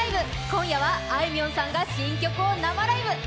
今夜はあいみょんさんが新曲を生ライブ。